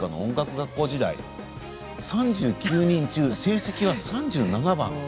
学校時代３９人中、成績が３７番。